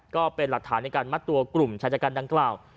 ก็เป็นหลักฐานในการมัดตัวกลุ่มชายจัดการดังกล่าว